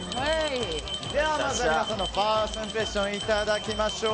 では、まずは皆さんのファーストインプレッションいただきましょう。